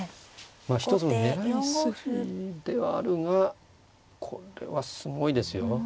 まあ一つの狙い筋ではあるがこれはすごいですよ。